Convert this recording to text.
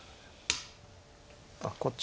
あっこっち。